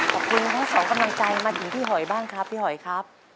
ขอบคุณครับสองคนในใจมาถึงพี่หอยบ้างครับพี่หอยครับ